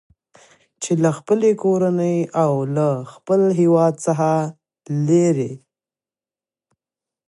چې له خپلې کورنۍ او له خپل هیواد څخه لېرې